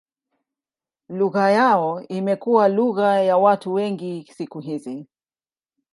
Lugha yao imekuwa lugha ya watu wengi siku hizi.